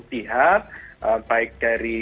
pihak baik dari